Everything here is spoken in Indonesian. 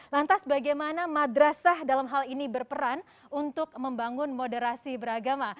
lantas bagaimana madrasah dalam hal ini berperan untuk membangun moderasi beragama